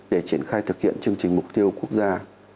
để triển khai thực hiện chương trình mục tiêu quốc gia